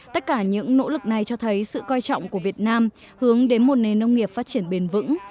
tất cả những nỗ lực này cho thấy sự coi trọng của việt nam hướng đến một nền nông nghiệp phát triển bền vững